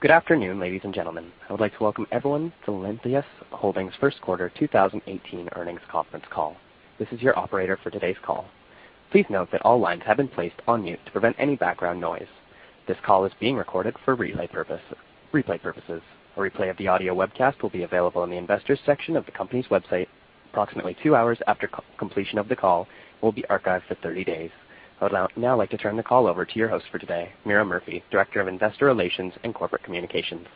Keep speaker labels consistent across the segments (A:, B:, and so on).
A: Good afternoon, ladies and gentlemen. I would like to welcome everyone to Lantheus Holdings' first quarter 2018 earnings conference call. This is your operator for today's call. Please note that all lines have been placed on mute to prevent any background noise. This call is being recorded for replay purposes. A replay of the audio webcast will be available in the Investors section of the company's website approximately two hours after completion of the call and will be archived for 30 days. I would now like to turn the call over to your host for today, Meara Murphy, Director of Investor Relations and Corporate Communications.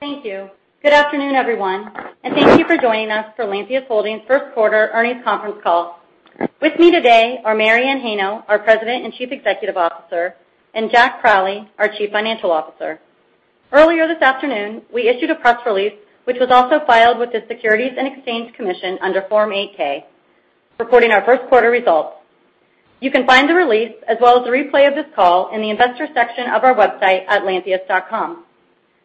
B: Thank you. Good afternoon, everyone, and thank you for joining us for Lantheus Holdings' first quarter earnings conference call. With me today are Mary Anne Heino, our President and Chief Executive Officer, and Jack Crowley, our Chief Financial Officer. Earlier this afternoon, we issued a press release, which was also filed with the Securities and Exchange Commission under Form 8-K, reporting our first quarter results. You can find the release as well as the replay of this call in the Investors section of our website at lantheus.com.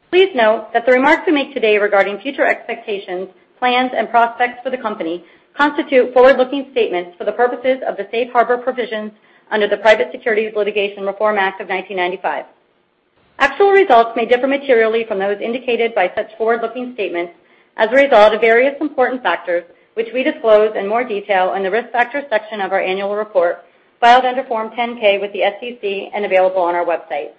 B: Please note that the remarks we make today regarding future expectations, plans, and prospects for the company constitute forward-looking statements for the purposes of the safe harbor provisions under the Private Securities Litigation Reform Act of 1995. Actual results may differ materially from those indicated by such forward-looking statements as a result of various important factors, which we disclose in more detail in the Risk Factors section of our annual report filed under Form 10-K with the SEC and available on our website.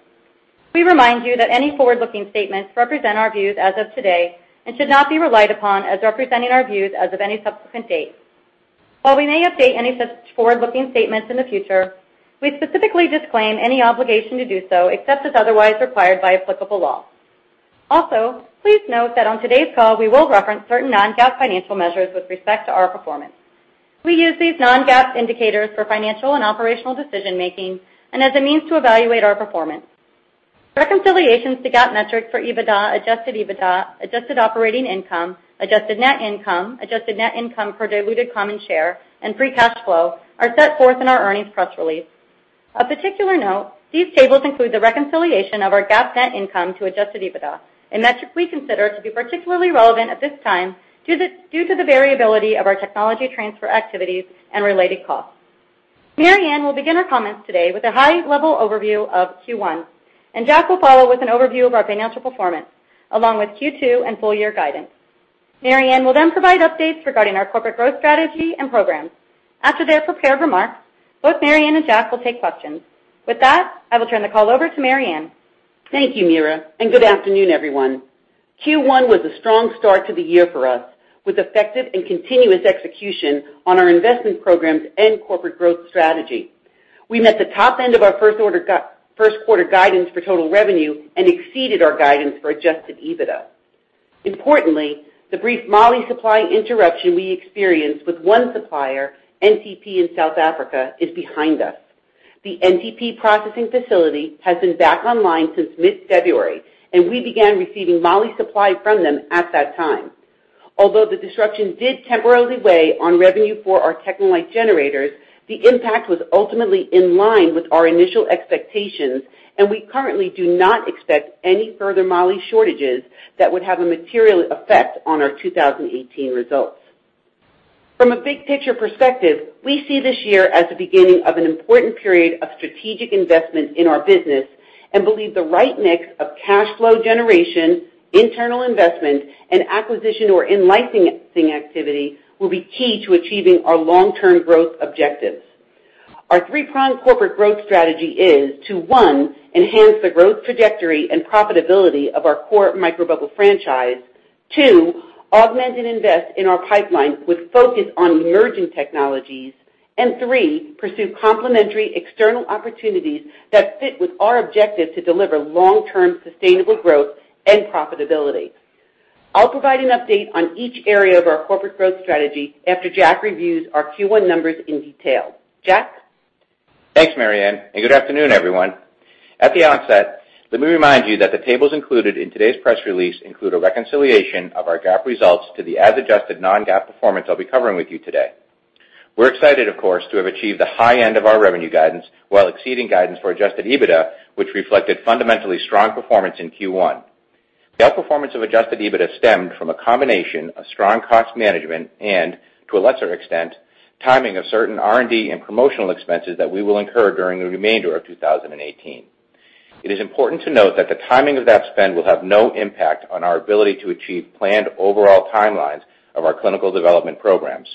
B: We remind you that any forward-looking statements represent our views as of today and should not be relied upon as representing our views as of any subsequent date. While we may update any such forward-looking statements in the future, we specifically disclaim any obligation to do so except as otherwise required by applicable law. Also, please note that on today's call, we will reference certain non-GAAP financial measures with respect to our performance. We use these non-GAAP indicators for financial and operational decision-making and as a means to evaluate our performance. Reconciliations to GAAP metrics for EBITDA, adjusted EBITDA, adjusted operating income, adjusted net income, adjusted net income per diluted common share, and free cash flow are set forth in our earnings press release. Of particular note, these tables include the reconciliation of our GAAP net income to adjusted EBITDA, a metric we consider to be particularly relevant at this time due to the variability of our technology transfer activities and related costs. Mary Anne will begin her comments today with a high-level overview of Q1, and Jack will follow with an overview of our financial performance, along with Q2 and full-year guidance. Mary Anne will then provide updates regarding our corporate growth strategy and programs. After their prepared remarks, both Mary Anne and Jack will take questions. With that, I will turn the call over to Mary Anne.
C: Thank you, Meara, and good afternoon, everyone. Q1 was a strong start to the year for us, with effective and continuous execution on our investment programs and corporate growth strategy. We met the top end of our first quarter guidance for total revenue and exceeded our guidance for adjusted EBITDA. Importantly, the brief moly supply interruption we experienced with one supplier, NTP in South Africa, is behind us. The NTP processing facility has been back online since mid-February, and we began receiving moly supply from them at that time. Although the disruption did temporarily weigh on revenue for our TechneLite generators, the impact was ultimately in line with our initial expectations, and we currently do not expect any further moly shortages that would have a material effect on our 2018 results. From a big-picture perspective, we see this year as the beginning of an important period of strategic investment in our business and believe the right mix of cash flow generation, internal investment, and acquisition or in-licensing activity will be key to achieving our long-term growth objectives. Our three-pronged corporate growth strategy is to, one, enhance the growth trajectory and profitability of our core microbubble franchise. Two, augment and invest in our pipeline with focus on emerging technologies. Three, pursue complementary external opportunities that fit with our objective to deliver long-term sustainable growth and profitability. I'll provide an update on each area of our corporate growth strategy after Jack reviews our Q1 numbers in detail. Jack?
D: Thanks, Mary Anne, and good afternoon, everyone. At the onset, let me remind you that the tables included in today's press release include a reconciliation of our GAAP results to the as-adjusted non-GAAP performance I'll be covering with you today. We're excited, of course, to have achieved the high end of our revenue guidance while exceeding guidance for adjusted EBITDA, which reflected fundamentally strong performance in Q1. The outperformance of adjusted EBITDA stemmed from a combination of strong cost management and, to a lesser extent, timing of certain R&D and promotional expenses that we will incur during the remainder of 2018. It is important to note that the timing of that spend will have no impact on our ability to achieve planned overall timelines of our clinical development programs.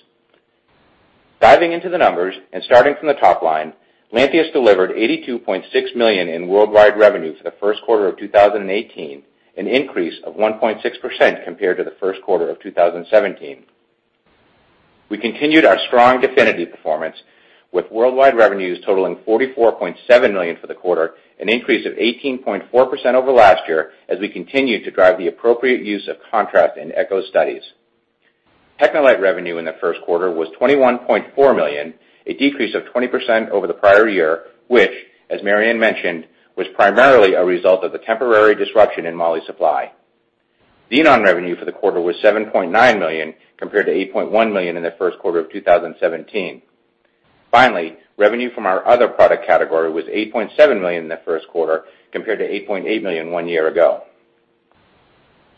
D: Diving into the numbers and starting from the top line, Lantheus delivered $82.6 million in worldwide revenue for the first quarter of 2018, an increase of 1.6% compared to the first quarter of 2017. We continued our strong DEFINITY performance with worldwide revenues totaling $44.7 million for the quarter, an increase of 18.4% over last year, as we continue to drive the appropriate use of contrast in echo studies. TechneLite revenue in the first quarter was $21.4 million, a decrease of 20% over the prior year, which, as Mary Anne mentioned, was primarily a result of the temporary disruption in moly supply. Xenon revenue for the quarter was $7.9 million, compared to $8.1 million in the first quarter of 2017. Finally, revenue from our other product category was $8.7 million in the first quarter, compared to $8.8 million one year ago.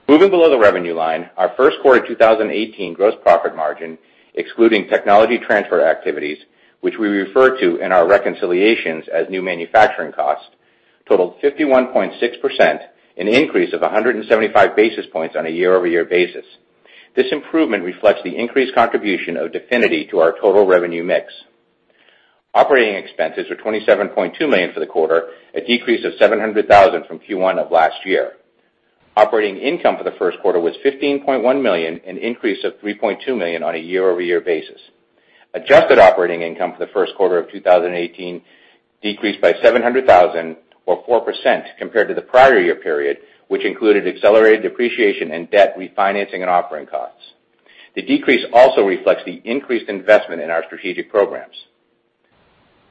D: Moving below the revenue line, our first quarter 2018 gross profit margin, excluding technology transfer activities, which we refer to in our reconciliations as new manufacturing costs, totaled 51.6%, an increase of 175 basis points on a year-over-year basis. This improvement reflects the increased contribution of DEFINITY to our total revenue mix. Operating expenses were $27.2 million for the quarter, a decrease of $700,000 from Q1 of last year. Operating income for the first quarter was $15.1 million, an increase of $3.2 million on a year-over-year basis. Adjusted operating income for the first quarter of 2018 decreased by $700,000 or 4% compared to the prior year period, which included accelerated depreciation and debt refinancing and offering costs. The decrease also reflects the increased investment in our strategic programs.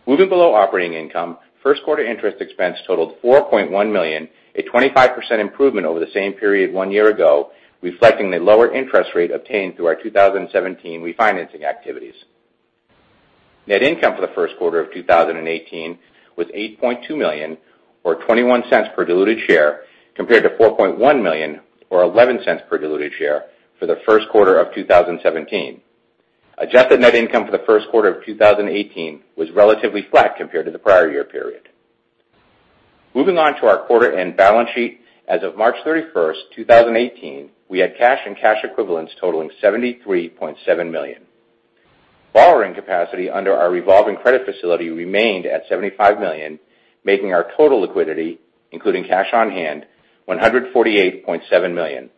D: Moving below operating income, first quarter interest expense totaled $4.1 million, a 25% improvement over the same period one year ago, reflecting the lower interest rate obtained through our 2017 refinancing activities. Net income for the first quarter of 2018 was $8.2 million or $0.21 per diluted share, compared to $4.1 million or $0.11 per diluted share for the first quarter of 2017. Adjusted net income for the first quarter of 2018 was relatively flat compared to the prior year period. Moving on to our quarter-end balance sheet. As of March 31st, 2018, we had cash and cash equivalents totaling $73.7 million. Borrowing capacity under our revolving credit facility remained at $75 million, making our total liquidity, including cash on hand, $148.7 million.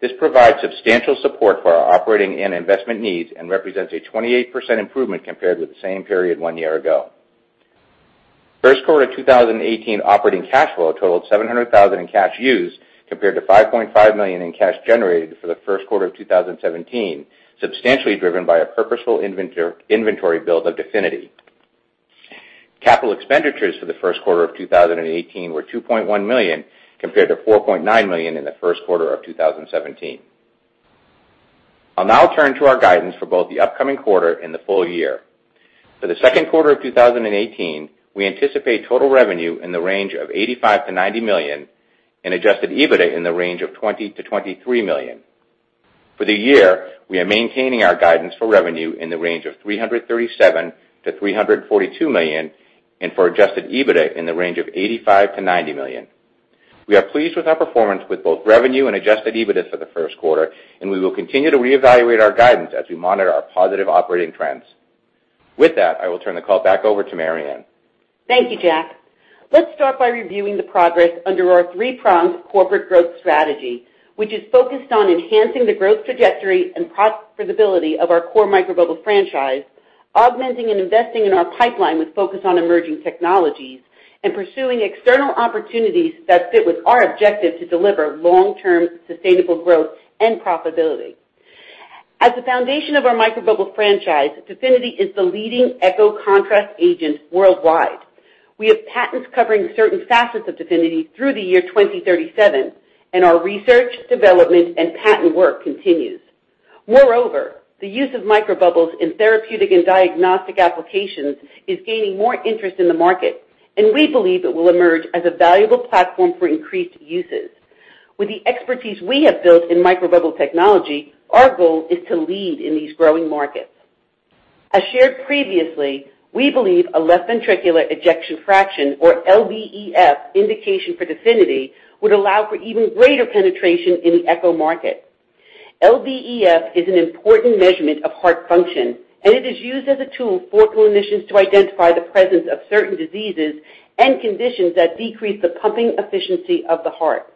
D: This provides substantial support for our operating and investment needs and represents a 28% improvement compared with the same period one year ago. First quarter 2018 operating cash flow totaled $700,000 in cash used compared to $5.5 million in cash generated for the first quarter of 2017, substantially driven by a purposeful inventory build of DEFINITY. Capital expenditures for the first quarter of 2018 were $2.1 million, compared to $4.9 million in the first quarter of 2017. I will now turn to our guidance for both the upcoming quarter and the full year. For the second quarter of 2018, we anticipate total revenue in the range of $85 million-$90 million and adjusted EBITDA in the range of $20 million-$23 million. For the year, we are maintaining our guidance for revenue in the range of $337 million-$342 million and for adjusted EBITDA in the range of $85 million-$90 million. We are pleased with our performance with both revenue and adjusted EBITDA for the first quarter, and we will continue to reevaluate our guidance as we monitor our positive operating trends. With that, I will turn the call back over to Mary Anne.
C: Thank you, Jack. Let's start by reviewing the progress under our three-pronged corporate growth strategy, which is focused on enhancing the growth trajectory and profitability of our core microbubble franchise, augmenting and investing in our pipeline with focus on emerging technologies, and pursuing external opportunities that fit with our objective to deliver long-term sustainable growth and profitability. As the foundation of our microbubble franchise, DEFINITY is the leading echo contrast agent worldwide. We have patents covering certain facets of DEFINITY through the year 2037, and our research, development, and patent work continues. Moreover, the use of microbubbles in therapeutic and diagnostic applications is gaining more interest in the market, and we believe it will emerge as a valuable platform for increased uses. With the expertise we have built in microbubble technology, our goal is to lead in these growing markets. As shared previously, we believe a left ventricular ejection fraction, or LVEF, indication for DEFINITY would allow for even greater penetration in the echo market. LVEF is an important measurement of heart function, and it is used as a tool for clinicians to identify the presence of certain diseases and conditions that decrease the pumping efficiency of the heart.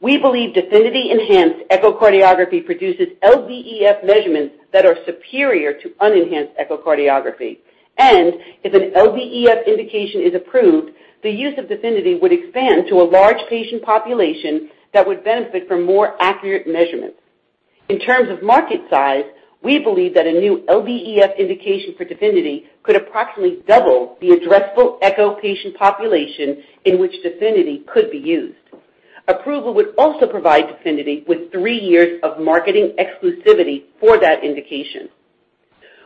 C: We believe DEFINITY enhanced echocardiography produces LVEF measurements that are superior to unenhanced echocardiography, and if an LVEF indication is approved, the use of DEFINITY would expand to a large patient population that would benefit from more accurate measurements. In terms of market size, we believe that a new LVEF indication for DEFINITY could approximately double the addressable echo patient population in which DEFINITY could be used. Approval would also provide DEFINITY with three years of marketing exclusivity for that indication.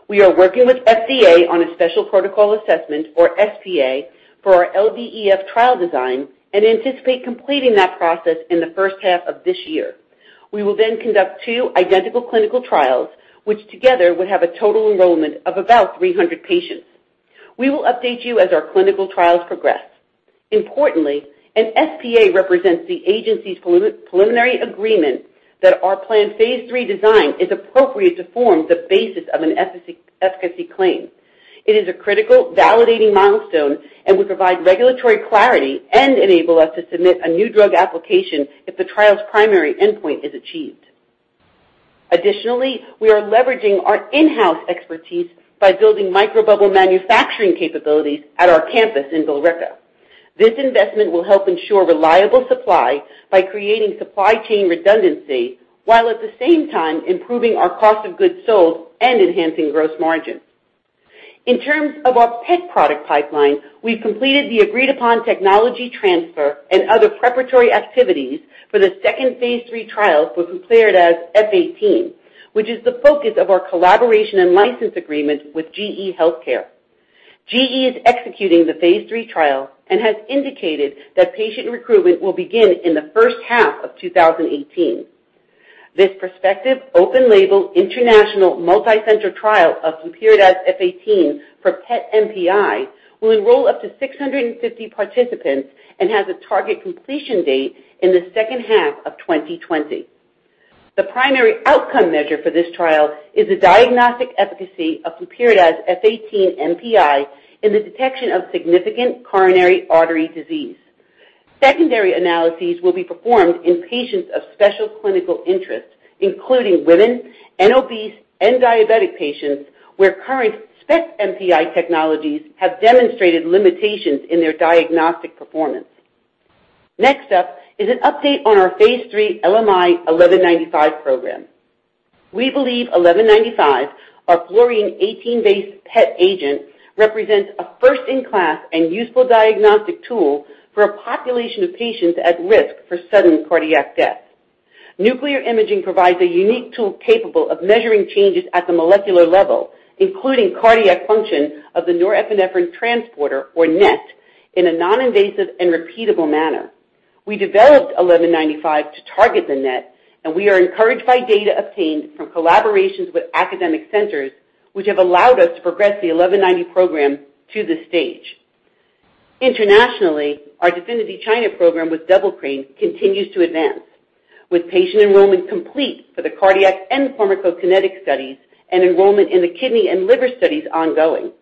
C: We are working with FDA on a special protocol assessment, or SPA, for our LVEF trial design and anticipate completing that process in the first half of this year. We will then conduct two identical clinical trials, which together will have a total enrollment of about 300 patients. We will update you as our clinical trials progress. Importantly, an SPA represents the agency's preliminary agreement that our planned phase III design is appropriate to form the basis of an efficacy claim. It is a critical validating milestone and would provide regulatory clarity and enable us to submit a New Drug Application if the trial's primary endpoint is achieved. Additionally, we are leveraging our in-house expertise by building microbubble manufacturing capabilities at our campus in Billerica. This investment will help ensure reliable supply by creating supply chain redundancy, while at the same time improving our cost of goods sold and enhancing gross margin. In terms of our PET product pipeline, we've completed the agreed-upon technology transfer and other preparatory activities for the second phase III trial for flurpiridaz F18, which is the focus of our collaboration and license agreement with GE Healthcare. GE is executing the phase III trial and has indicated that patient recruitment will begin in the first half of 2018. This prospective open label international multi-center trial of flurpiridaz F18 for PET MPI will enroll up to 650 participants and has a target completion date in the second half of 2020. The primary outcome measure for this trial is the diagnostic efficacy of flurpiridaz F18 MPI in the detection of significant coronary artery disease. Secondary analyses will be performed in patients of special clinical interest, including women and obese and diabetic patients, where current SPECT MPI technologies have demonstrated limitations in their diagnostic performance. Next up is an update on our phase III LMI1195 program. We believe 1195, our Fluorine-18-based PET agent, represents a first-in-class and useful diagnostic tool for a population of patients at risk for sudden cardiac death. Nuclear imaging provides a unique tool capable of measuring changes at the molecular level, including cardiac function of the norepinephrine transporter, or NET, in a non-invasive and repeatable manner. We developed 1195 to target the NET, and we are encouraged by data obtained from collaborations with academic centers, which have allowed us to progress the 1195 program to this stage. Internationally, our DEFINITY China program with Double-Crane continues to advance. With patient enrollment complete for the cardiac and pharmacokinetic studies, and enrollment in the kidney and liver studies ongoing.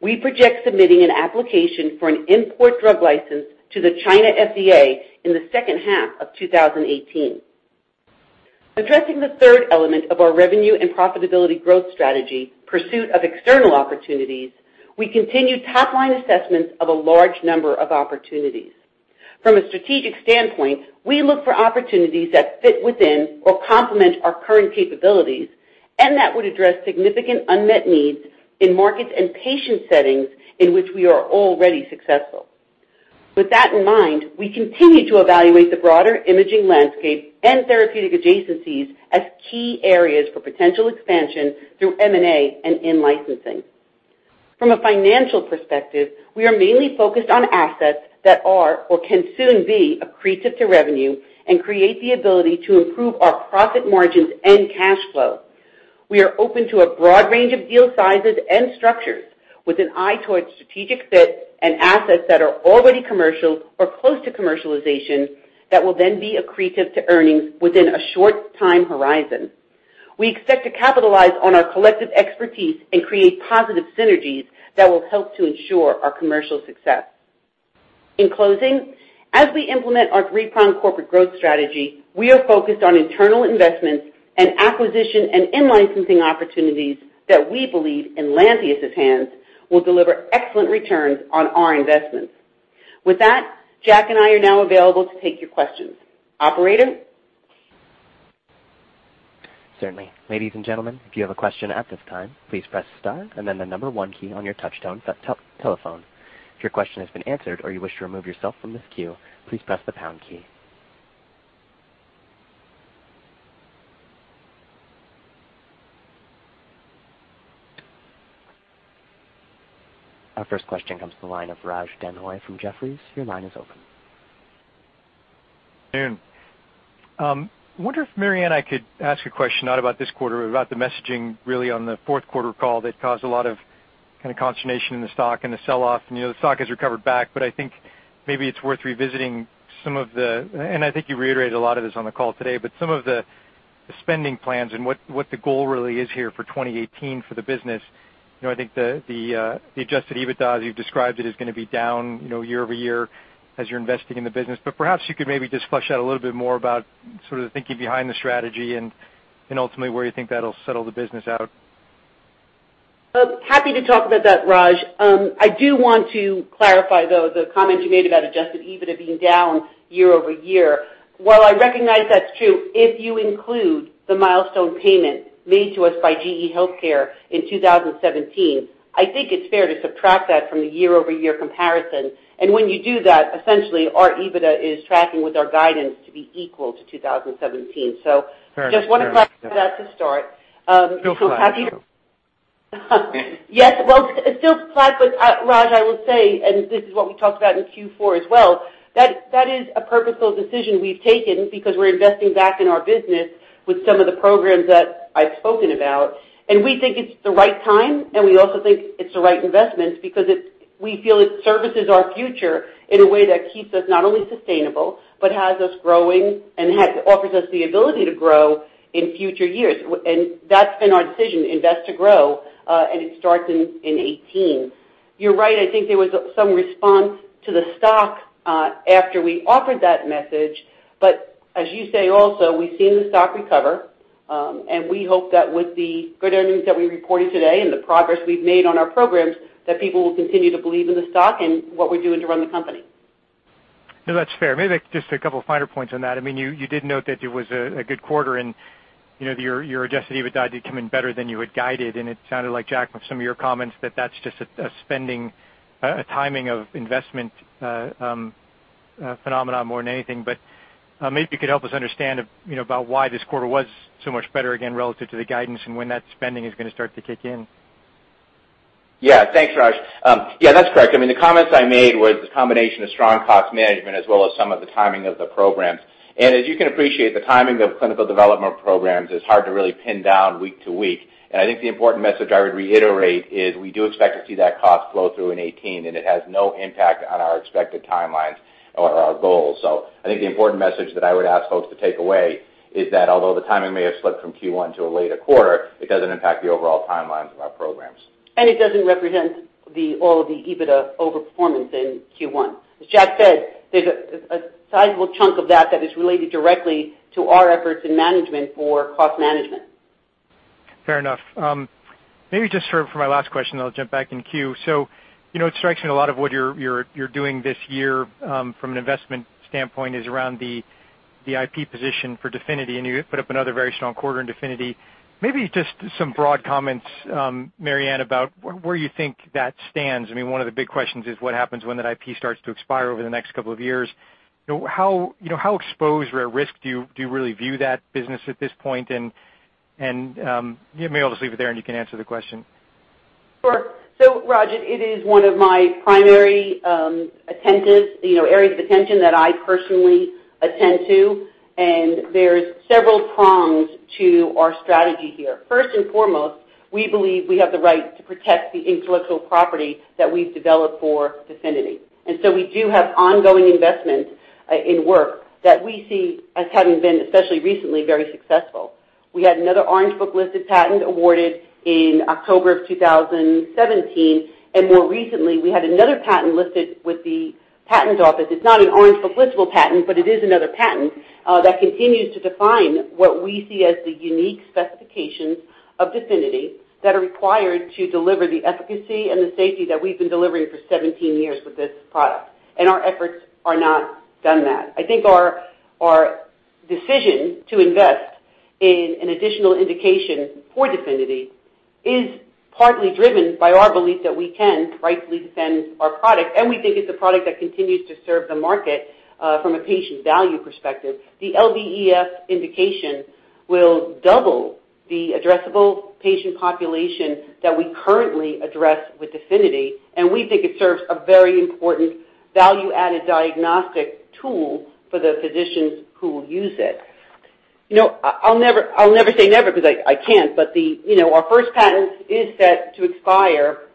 C: We project submitting an application for an import drug license to the China FDA in the second half of 2018. Addressing the third element of our revenue and profitability growth strategy, pursuit of external opportunities, we continued top-line assessments of a large number of opportunities. From a strategic standpoint, we look for opportunities that fit within or complement our current capabilities and that would address significant unmet needs in markets and patient settings in which we are already successful. With that in mind, we continue to evaluate the broader imaging landscape and therapeutic adjacencies as key areas for potential expansion through M&A and in-licensing. From a financial perspective, we are mainly focused on assets that are or can soon be accretive to revenue and create the ability to improve our profit margins and cash flow. We are open to a broad range of deal sizes and structures with an eye towards strategic fit and assets that are already commercial or close to commercialization that will then be accretive to earnings within a short time horizon. We expect to capitalize on our collective expertise and create positive synergies that will help to ensure our commercial success. In closing, as we implement our three-pronged corporate growth strategy, we are focused on internal investments and acquisition and in-licensing opportunities that we believe in Lantheus' hands will deliver excellent returns on our investments. With that, Jack and I are now available to take your questions. Operator?
A: Certainly. Ladies and gentlemen, if you have a question at this time, please press star and then the number one key on your touchtone telephone. If your question has been answered, or you wish to remove yourself from this queue, please press the pound key. Our first question comes from the line of Raj Denhoy from Jefferies. Your line is open.
E: Good afternoon. I wonder if, Marianne, I could ask a question not about this quarter, about the messaging really on the fourth quarter call that caused a lot of consternation in the stock and the sell-off. The stock has recovered back, but I think maybe it's worth revisiting some of the— and I think you reiterated a lot of this on the call today, but some of the spending plans and what the goal really is here for 2018 for the business. I think the adjusted EBITDA, as you've described it, is going to be down year-over-year as you're investing in the business. Perhaps you could maybe just flesh out a little bit more about the thinking behind the strategy and ultimately where you think that'll settle the business out.
C: Happy to talk about that, Raj. I do want to clarify, though, the comment you made about adjusted EBITDA being down year-over-year. While I recognize that's true, if you include the milestone payment made to us by GE Healthcare in 2017, I think it's fair to subtract that from the year-over-year comparison. When you do that, essentially our EBITDA is tracking with our guidance to be equal to 2017. Just want to flag that to start.
E: Fair enough.
C: Happy to-
E: Still flat though.
C: Yes. Well, still flat, Raj, I will say, this is what we talked about in Q4 as well, that is a purposeful decision we've taken because we're investing back in our business with some of the programs that I've spoken about. We think it's the right time. We also think it's the right investment because we feel it services our future in a way that keeps us not only sustainable but has us growing and offers us the ability to grow in future years. That's been our decision, invest to grow, and it starts in 2018. You're right. I think there was some response to the stock after we offered that message. As you say also, we've seen the stock recover. We hope that with the good earnings that we reported today and the progress we've made on our programs, that people will continue to believe in the stock and what we're doing to run the company.
E: No, that's fair. Maybe just a couple of finer points on that. You did note that it was a good quarter. Your adjusted EBITDA did come in better than you had guided. It sounded like, Jack, from some of your comments, that that's just a spending, a timing of investment phenomenon more than anything. Maybe you could help us understand about why this quarter was so much better, again, relative to the guidance and when that spending is going to start to kick in.
D: Yeah. Thanks, Raj. Yeah, that's correct. The comments I made was the combination of strong cost management as well as some of the timing of the programs. As you can appreciate, the timing of clinical development programs is hard to really pin down week to week. I think the important message I would reiterate is we do expect to see that cost flow through in 2018, and it has no impact on our expected timelines or our goals. I think the important message that I would ask folks to take away is that although the timing may have slipped from Q1 to a later quarter, it doesn't impact the overall timelines of our programs.
C: It doesn't represent all of the EBITDA over-performance in Q1. As Jack said, there's a sizable chunk of that that is related directly to our efforts in management for cost management.
E: Fair enough. Maybe just for my last question, then I'll jump back in queue. It strikes me a lot of what you're doing this year from an investment standpoint is around the IP position for DEFINITY, and you put up another very strong quarter in DEFINITY. Maybe just some broad comments, Mary Anne, about where you think that stands. One of the big questions is what happens when that IP starts to expire over the next couple of years. How exposed or at risk do you really view that business at this point? Maybe I'll just leave it there, and you can answer the question.
C: Sure. Raj, it is one of my primary areas of attention that I personally attend to, and there's several prongs to our strategy here. First and foremost, we believe we have the right to protect the intellectual property that we've developed for DEFINITY. We do have ongoing investment in work that we see as having been, especially recently, very successful. We had another Orange Book listed patent awarded in October of 2017, and more recently, we had another patent listed with the patent office. It's not an Orange Book listable patent, but it is another patent that continues to define what we see as the unique specifications of DEFINITY that are required to deliver the efficacy and the safety that we've been delivering for 17 years with this product, and our efforts are not done that. I think our decision to invest in an additional indication for DEFINITY is partly driven by our belief that we can rightfully defend our product. We think it's a product that continues to serve the market from a patient value perspective. The LVEF indication will double the addressable patient population that we currently address with DEFINITY. We think it serves a very important value-added diagnostic tool for the physicians who will use it. I'll never say never because I can't, but our first patent is set to expire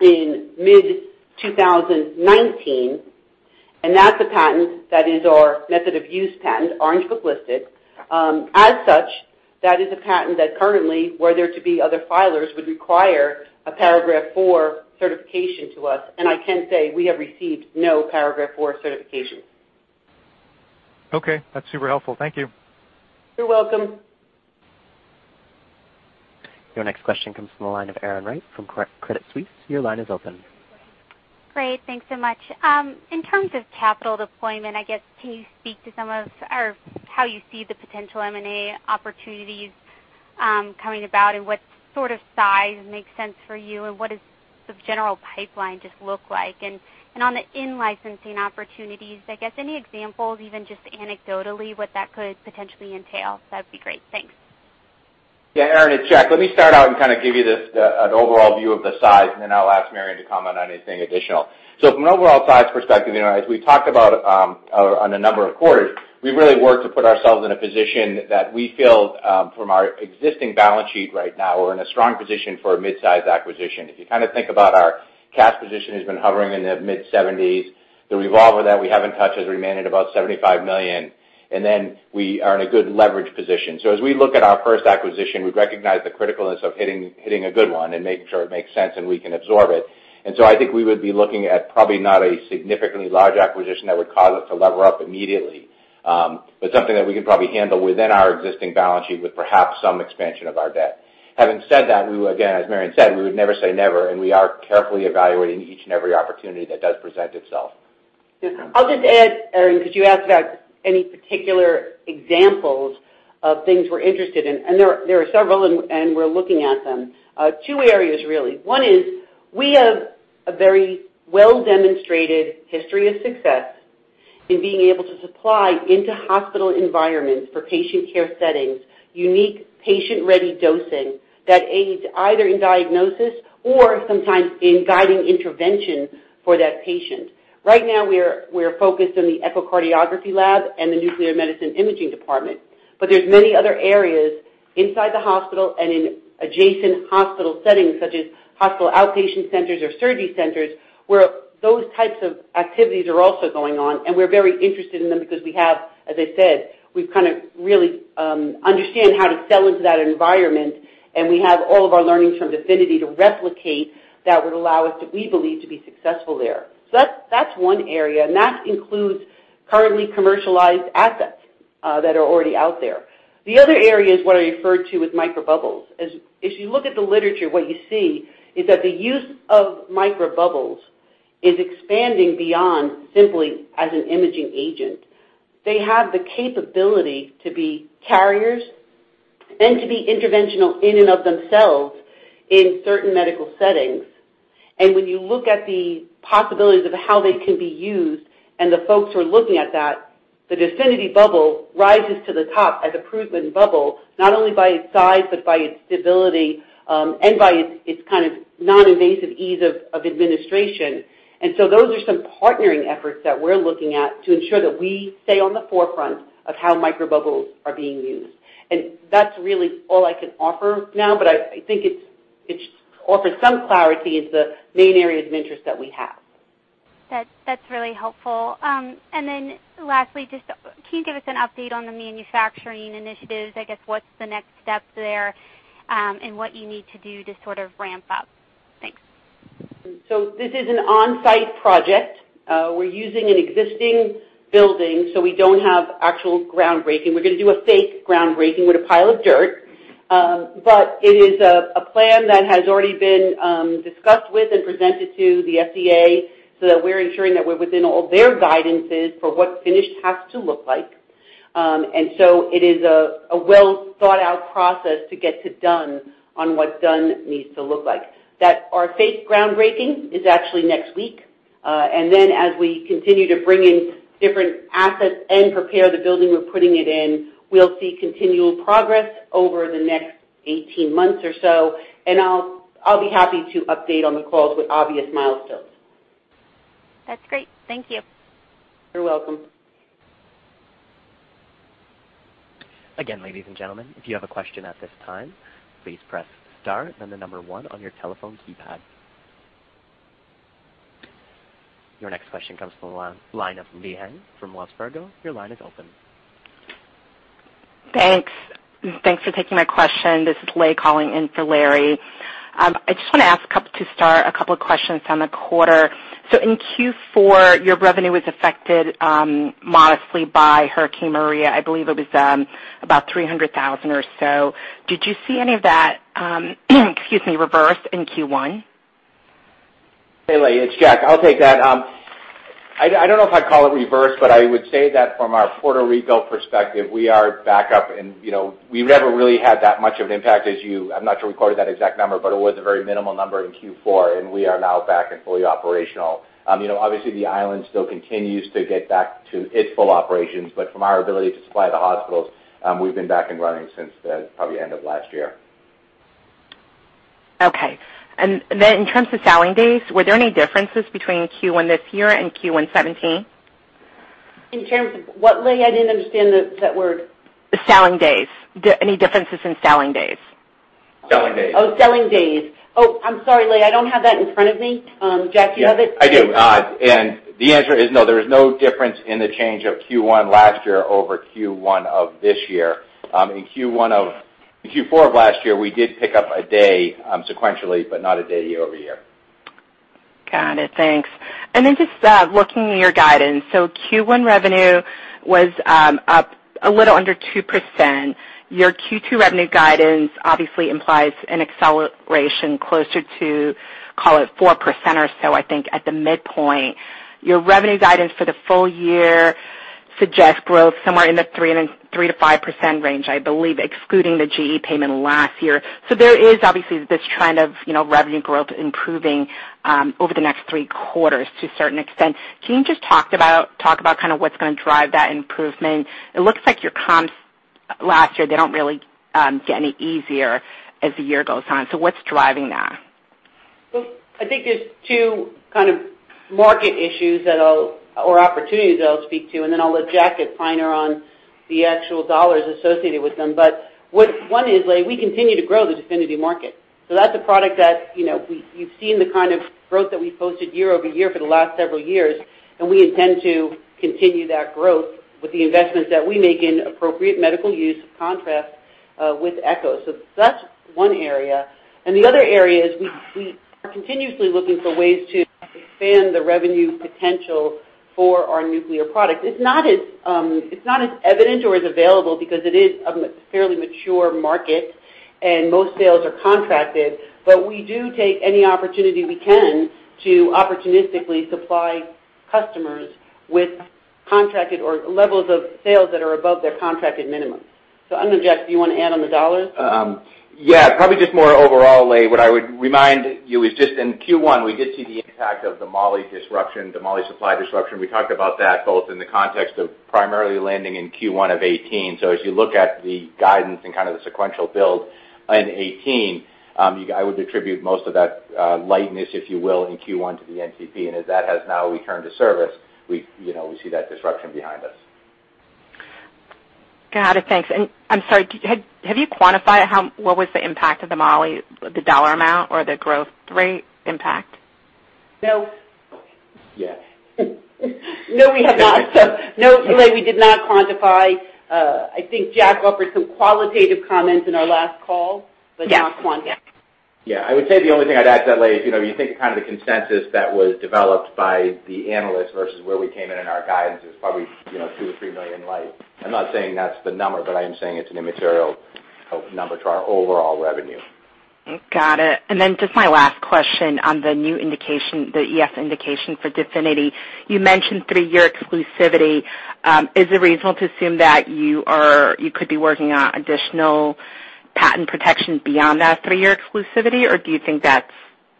C: in mid-2019. That's a patent that is our method of use patent, Orange Book listed. As such, that is a patent that currently, were there to be other filers, would require a Paragraph IV certification to us. I can say we have received no Paragraph IV certification.
E: Okay. That's super helpful. Thank you.
C: You're welcome.
A: Your next question comes from the line of Erin Wright from Credit Suisse. Your line is open.
F: Great. Thanks so much. In terms of capital deployment, I guess, can you speak to some of how you see the potential M&A opportunities coming about and what sort of size makes sense for you, and what does the general pipeline just look like? On the in-licensing opportunities, I guess, any examples, even just anecdotally, what that could potentially entail? That'd be great. Thanks.
D: Yeah, Erin, it's Jack. Let me start out and kind of give you an overall view of the size. Then I'll ask Mary Anne to comment on anything additional. From an overall size perspective, as we've talked about on a number of quarters, we've really worked to put ourselves in a position that we feel from our existing balance sheet right now, we're in a strong position for a mid-size acquisition. If you think about our cash position has been hovering in the mid-70s. The revolver that we haven't touched has remained at about $75 million. We are in a good leverage position. As we look at our first acquisition, we recognize the criticalness of hitting a good one and making sure it makes sense and we can absorb it. I think we would be looking at probably not a significantly large acquisition that would cause us to lever up immediately. Something that we could probably handle within our existing balance sheet with perhaps some expansion of our debt. Having said that, we would, again, as Mary Anne said, we would never say never, and we are carefully evaluating each and every opportunity that does present itself.
C: I'll just add, Erin, because you asked about any particular examples of things we're interested in, and there are several, and we're looking at them. Two areas, really. One is we have a very well-demonstrated history of success in being able to supply into hospital environments for patient care settings, unique patient-ready dosing that aids either in diagnosis or sometimes in guiding intervention for that patient. Right now, we're focused on the echocardiography lab and the nuclear medicine imaging department. There's many other areas inside the hospital and in adjacent hospital settings, such as hospital outpatient centers or surgery centers, where those types of activities are also going on, and we're very interested in them because we have, as I said, we've kind of really understand how to sell into that environment, and we have all of our learnings from DEFINITY to replicate that would allow us, we believe, to be successful there. That's one area, and that includes currently commercialized assets that are already out there. The other area is what I refer to as microbubbles. As you look at the literature, what you see is that the use of microbubbles is expanding beyond simply as an imaging agent. They have the capability to be carriers. To be interventional in and of themselves in certain medical settings. When you look at the possibilities of how they can be used and the folks who are looking at that, the DEFINITY bubble rises to the top as a proven bubble, not only by its size but by its stability, and by its kind of non-invasive ease of administration. Those are some partnering efforts that we're looking at to ensure that we stay on the forefront of how microbubbles are being used. That's really all I can offer now, but I think it offers some clarity into the main areas of interest that we have.
F: That's really helpful. Lastly, can you give us an update on the manufacturing initiatives? I guess, what's the next step there, and what you need to do to sort of ramp up? Thanks.
C: This is an on-site project. We're using an existing building, so we don't have actual groundbreaking. We're going to do a fake groundbreaking with a pile of dirt. It is a plan that has already been discussed with and presented to the FDA so that we're ensuring that we're within all their guidances for what finished has to look like. It is a well-thought-out process to get to done on what done needs to look like. That our fake groundbreaking is actually next week. As we continue to bring in different assets and prepare the building we're putting it in, we'll see continual progress over the next 18 months or so. I'll be happy to update on the calls with obvious milestones.
F: That's great. Thank you.
C: You're welcome.
A: Again, ladies and gentlemen, if you have a question at this time, please press star then the number one on your telephone keypad. Your next question comes from the line of Lei Han from Wells Fargo. Your line is open.
G: Thanks. Thanks for taking my question. This is Lei calling in for Larry. I just want to ask to start a couple of questions on the quarter. In Q4, your revenue was affected modestly by Hurricane Maria. I believe it was about $300,000 or so. Did you see any of that, excuse me, reverse in Q1?
D: Hey, Lei, it's Jack. I'll take that. I don't know if I'd call it reverse, but I would say that from our Puerto Rico perspective, we are back up and we never really had that much of an impact as you, I'm not sure, quoted that exact number, but it was a very minimal number in Q4, and we are now back and fully operational. Obviously the island still continues to get back to its full operations, but from our ability to supply the hospitals, we've been back and running since the probably end of last year.
G: Okay. Then in terms of selling days, were there any differences between Q1 this year and Q1 2017?
C: In terms of what, Lei? I didn't understand that word.
G: Selling days. Any differences in selling days?
D: Selling days.
C: Selling days. I'm sorry, Lei, I don't have that in front of me. Jack, do you have it?
D: I do. The answer is no, there is no difference in the change of Q1 last year over Q1 of this year. In Q4 of last year, we did pick up a day sequentially, but not a day year-over-year.
G: Got it. Thanks. Then just looking at your guidance. Q1 revenue was up a little under 2%. Your Q2 revenue guidance obviously implies an acceleration closer to, call it 4% or so, I think at the midpoint. Your revenue guidance for the full year suggests growth somewhere in the 3%-5% range, I believe, excluding the GE payment last year. There is obviously this trend of revenue growth improving over the next three quarters to a certain extent. Can you just talk about what's going to drive that improvement? It looks like your comps last year, they don't really get any easier as the year goes on. What's driving that?
C: I think there's two kind of market issues or opportunities that I'll speak to, I'll let Jack get finer on the actual dollars associated with them. One is, Lei, we continue to grow the DEFINITY market. That's a product that you've seen the kind of growth that we've posted year-over-year for the last several years, and we intend to continue that growth with the investments that we make in appropriate medical use of contrast, with echo. That's one area. The other area is we are continuously looking for ways to expand the revenue potential for our nuclear products. It's not as evident or as available because it is a fairly mature market and most sales are contracted, but we do take any opportunity we can to opportunistically supply customers with contracted or levels of sales that are above their contracted minimum. I don't know, Jack, do you want to add on the dollars?
D: Probably just more overall, Lei, what I would remind you is just in Q1, we did see the impact of the moly disruption, the moly supply disruption. We talked about that both in the context of primarily landing in Q1 of 2018. As you look at the guidance and kind of the sequential build in 2018, I would attribute most of that lightness, if you will, in Q1 to the NTP. As that has now returned to service, we see that disruption behind us.
G: Got it. Thanks. I'm sorry, have you quantified what was the impact of the moly, the dollar amount or the growth rate impact?
C: No.
D: Yes.
C: No, we have not. No, Lei, we did not quantify. I think Jack offered some qualitative comments in our last call, but not quantitative.
D: Yeah. I would say the only thing I'd add to that, Lei, is if you think of kind of the consensus that was developed by the analysts versus where we came in in our guidance is probably two to three million light. I'm not saying that's the number, but I'm saying it's an immaterial number to our overall revenue.
G: Got it. Then just my last question on the new indication, the EF indication for DEFINITY. You mentioned three-year exclusivity. Is it reasonable to assume that you could be working on additional patent protection beyond that three-year exclusivity, or do you think that's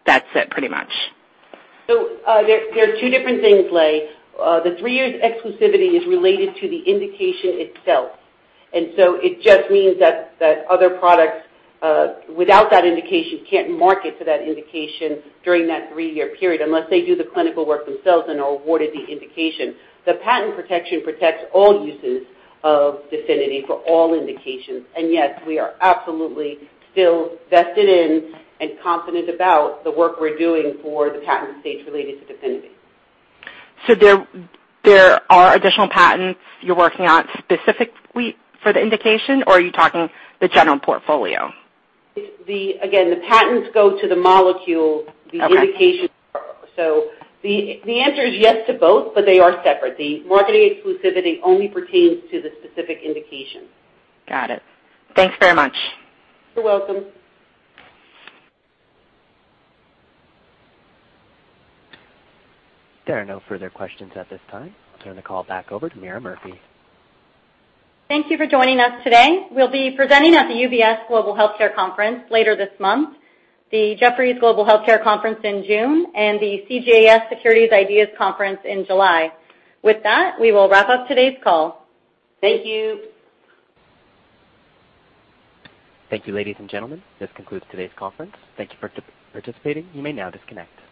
G: it pretty much?
C: There's two different things, Lei. The three years exclusivity is related to the indication itself. It just means that other products, without that indication, can't market for that indication during that three-year period unless they do the clinical work themselves and are awarded the indication. The patent protection protects all uses of DEFINITY for all indications. Yes, we are absolutely still vested in and confident about the work we're doing for the patent stage related to DEFINITY.
G: There are additional patents you're working on specifically for the indication, or are you talking the general portfolio?
C: Again, the patents go to the molecule.
G: Okay
C: The indications go. The answer is yes to both, but they are separate. The marketing exclusivity only pertains to the specific indication.
G: Got it. Thanks very much.
C: You're welcome.
A: There are no further questions at this time. I'll turn the call back over to Meara Murphy.
B: Thank you for joining us today. We'll be presenting at the UBS Global Healthcare Conference later this month, the Jefferies Global Healthcare Conference in June, and the CJS Securities Ideas Conference in July. With that, we will wrap up today's call.
C: Thank you.
A: Thank you, ladies and gentlemen. This concludes today's conference. Thank you for participating. You may now disconnect.